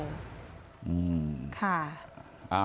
อืมค่ะ